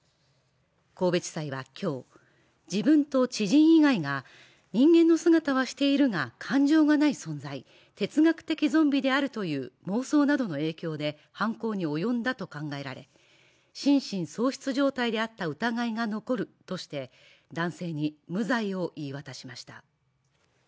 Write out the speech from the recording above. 神戸地裁は今日、自分と知人以外が人間の姿はしているが感情がない状態、哲学的ゾンビであるという妄想などの影響で犯行に及んだと考えられ、心神喪失状態であった疑いが残るとして男性に無罪を言い渡しました。